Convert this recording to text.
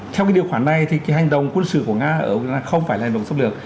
theo cái điều khoản này thì cái hành động quân sự của nga không phải là hành động xâm lược